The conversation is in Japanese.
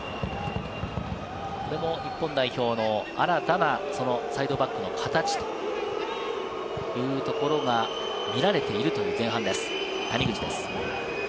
日本代表の新たなサイドバックの形というところが見られているという前半です、谷口。